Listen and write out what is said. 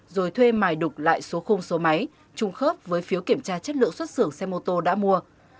rồi thuê mài đục lại số khung số máy trung khớp với phiếu kiểm tra chất lượng xuất xưởng xe mô tô đã mua